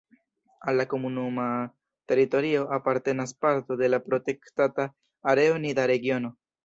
Al la komunuma teritorio apartenas parto de la protektata areo Nida-Regiono.